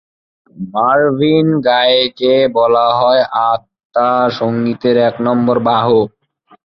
Marvin গায়েকে বলা হয় "আত্মা সঙ্গীতের এক নম্বর বাহক"।